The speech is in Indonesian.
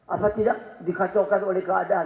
atau tidak dikacaukan oleh keadaan